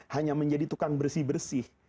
hanya menjadi tukang bersih bersih